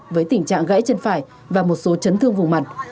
với tình trạng gãy chân phải và một số chấn thương vùng mặt